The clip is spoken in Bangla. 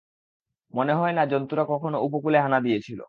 মনে হয় না জন্তুরা কখনো উপকূলে হানা দিয়েছিল।